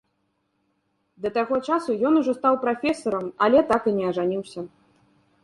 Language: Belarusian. Да таго часу ён ужо стаў прафесарам, але так і не ажаніўся.